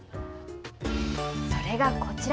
それがこちら。